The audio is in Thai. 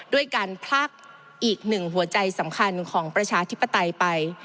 ด้วยการพลักอีกหนึ่งหัวใจสำคัญของประชาธิปไตยไป